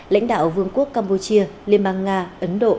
lãnh đạo vương quốc campuchia liên bang nga ấn độ